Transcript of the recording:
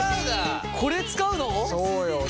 これ使うの！？